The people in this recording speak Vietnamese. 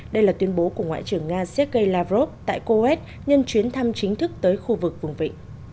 đây là tuyên bố của ngoại trưởng nga sergei lavrov tại coes nhân chuyến thăm chính thức tới khu vực vùng vịnh